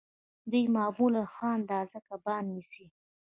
دوی معمولاً ښه اندازه کبان نیسي